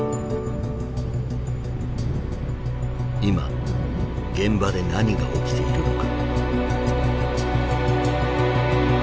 今現場で何が起きているのか。